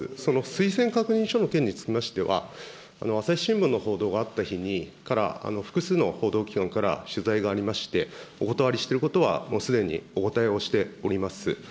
推薦確認書の件につきましては、朝日新聞の報道があった日から複数の報道機関から取材がありまして、お断りしてることは、もうすでにお答えをしております。